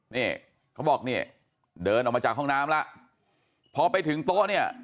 นี่เขาบอกนี่เดินออกมาจากห้องน้ำแล้วพอไปถึงโต๊ะเนี่ย